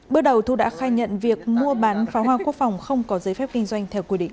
bước đầu thu đã khai nhận việc mua bán pháo hoa quốc phòng không có giấy phép kinh doanh theo quy định